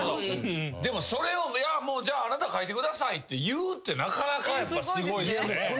でもそれをじゃああなた書いてくださいって言うってなかなかやっぱすごいっすね。